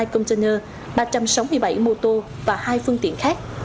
một trăm một mươi hai container ba trăm sáu mươi bảy mô tô và hai phương tiện khác